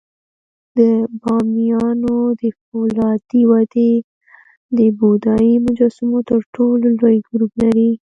د بامیانو د فولادي وادي د بودایي مجسمو تر ټولو لوی ګروپ لري